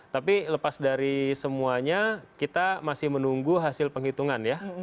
tapi lepas dari semuanya kita masih menunggu hasil penghitungan ya